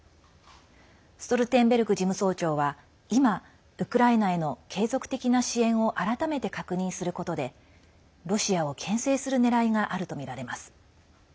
ストルテンベルグ事務総長は今ウクライナへの継続的な支援を改めて確認することでロシアを、けん制するねらいがあるとみられます。